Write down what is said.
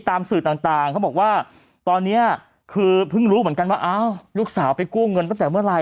สื่อต่างเขาบอกว่าตอนนี้คือเพิ่งรู้เหมือนกันว่าอ้าวลูกสาวไปกู้เงินตั้งแต่เมื่อไหร่